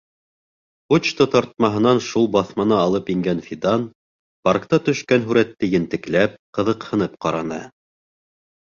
Почта тартмаһынан шул баҫманы алып ингән Фидан, паркта төшкән һүрәтте ентекләп, ҡыҙыҡһынып ҡараны.